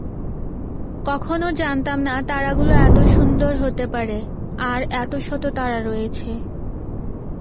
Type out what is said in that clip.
কখনও জানতাম না তারাগুলো এত সুন্দর হতে পারে, আর এত শত তারা রয়েছে।